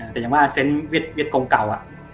แต่อย่างเซนต์วิดกรงเก่า